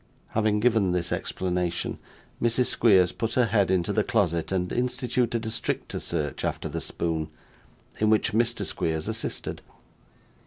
Having given this explanation, Mrs. Squeers put her head into the closet and instituted a stricter search after the spoon, in which Mr. Squeers assisted.